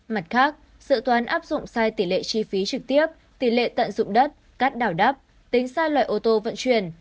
mặt khác dự toán áp dụng sai tỷ lệ chi phí trực tiếp tỷ lệ tận dụng đất cát đảo đắp tính sai loại ô tô vận chuyển